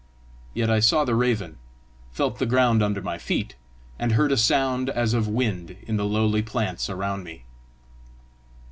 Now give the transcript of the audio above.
Yet I saw the raven, felt the ground under my feet, and heard a sound as of wind in the lowly plants around me!